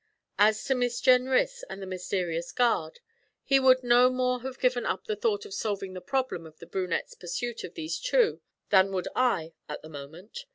As to Miss Jenrys and the mysterious guard, he would no more have given up the thought of solving the problem of the brunette's pursuit of these two than would I at that moment.